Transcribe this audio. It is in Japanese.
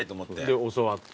で教わって。